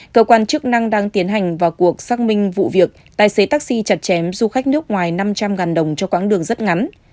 cơ quan chức năng đang tiến hành vào cuộc xác minh vụ việc tài xế taxi chặt chém du khách nước ngoài năm trăm linh đồng cho quãng đường rất ngắn